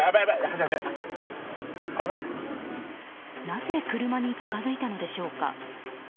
なぜ車に近づいたのでしょうか。